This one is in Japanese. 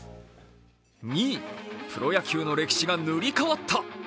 ２位、プロ野球の歴史が塗り変わった。